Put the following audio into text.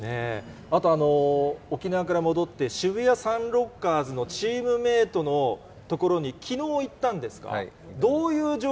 あと、沖縄から戻って、渋谷サンロッカーズのチームメートのところにきのう行ったんですか？